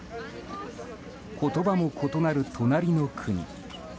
言葉も異なる隣の国。